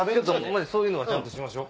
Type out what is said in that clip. そういうのはちゃんとしましょ。